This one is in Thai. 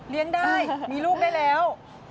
เลี้ยงได้มีลูกได้แล้ว